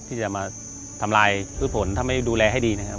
ที่จะมาทำลายพืชผลถ้าไม่ดูแลให้ดีนะครับ